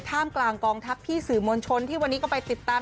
ท่ามกลางกองทัพพี่สื่อมวลชนที่วันนี้ก็ไปติดตาม